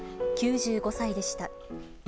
９５歳でした。